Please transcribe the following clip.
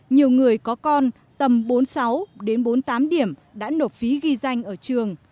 nhiều người có con tầm bốn mươi sáu đến bốn mươi tám điểm đã nộp phí ghi danh ở trường